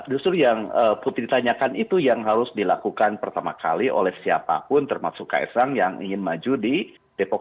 justru yang putri tanyakan itu yang harus dilakukan pertama kali oleh siapapun termasuk ks sang yang ingin maju di depok